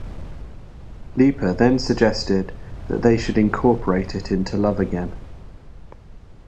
Lipa then suggested that they should incorporate it into "Love Again".